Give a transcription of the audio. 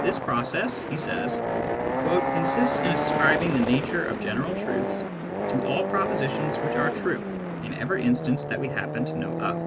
This process, he says, "consists in ascribing the nature of general truths to all propositions which are true in every instance that we happen to know of."